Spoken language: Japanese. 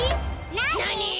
なに？